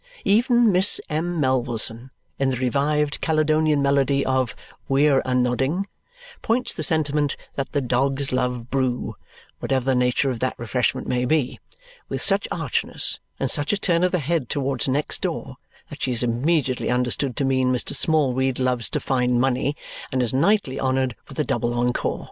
Even Miss M. Melvilleson, in the revived Caledonian melody of "We're a Nodding," points the sentiment that "the dogs love broo" (whatever the nature of that refreshment may be) with such archness and such a turn of the head towards next door that she is immediately understood to mean Mr. Smallweed loves to find money, and is nightly honoured with a double encore.